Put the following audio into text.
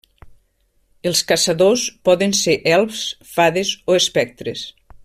Els caçadors poden ser elfs, fades o espectres.